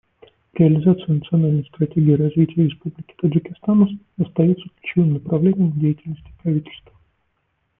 Реализация национальной стратегии развития Республики Таджикистан остается ключевым направлением в деятельности правительства.